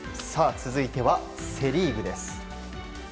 続いてはセ・リーグです。